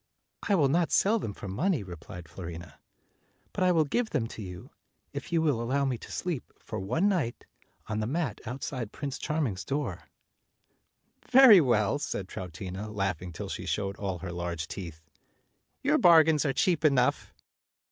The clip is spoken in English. "I will not sell them for money," replied Fiorina, "but I will give them to you, if you will allow rne to sleep, for one night, on the mat out side Prince Charming's door." "Very well," said Troutina, laughing till she showed all her large teeth; "your bargains are cheap enough."